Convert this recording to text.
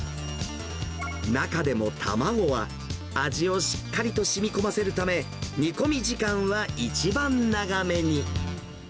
中でも卵は、味をしっかりとしみこませるため、煮込み時間は一番長めに。